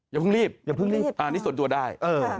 อย่าเพิ่งรีบอันนี้ส่วนตัวได้